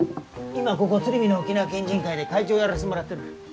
今はここ鶴見の沖縄県人会で会長をやらせてもらってる。